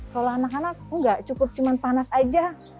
kalau anak anak enggak cukup cuma panas aja